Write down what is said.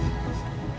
masuk ke dalam